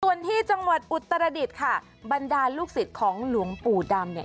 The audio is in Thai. ส่วนที่จังหวัดอุตรดิษฐ์ค่ะบรรดาลูกศิษย์ของหลวงปู่ดำเนี่ย